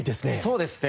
そうですね。